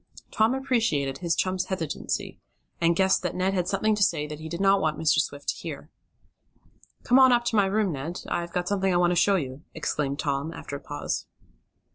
Tom appreciated his chum's hesitancy, and guessed that Ned had something to say that he did not want Mr. Swift to hear. "Come on up to my room, Ned. I've got something I want to show you," exclaimed Tom, after a pause.